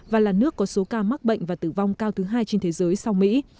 và là nước có số ca mắc bệnh và tử vong cao thứ hai trên thế giới sau mỹ